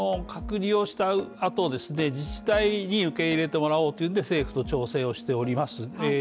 隔離をしたあと、自治体に受け入れてもらおうというので政府と調整をしております。